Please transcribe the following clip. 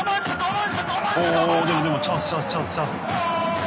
おでもでもチャンスチャンス。